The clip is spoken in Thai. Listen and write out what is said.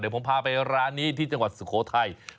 เดี๋ยวผมพาไปร้านที่จังหวัดสุโขทัย